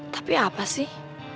tapi apa sih